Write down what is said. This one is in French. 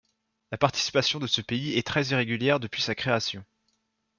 La participation de ce pays est très irrégulière depuis sa création.